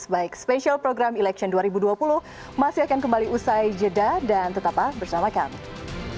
baik special program election dua ribu dua puluh masih akan kembali usai jeda dan tetap bersama kami